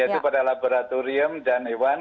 yaitu pada laboratorium dan hewan